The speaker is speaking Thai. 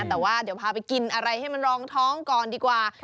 แต่ว่าเดี๋ยวพาไปกินอะไรให้มันรองท้องก่อนดีกว่า